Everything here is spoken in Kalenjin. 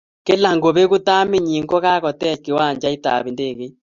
Kila ngobeku tamit nyin kokakotech kiwanjait ab indegeit